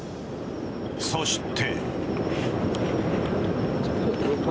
そして。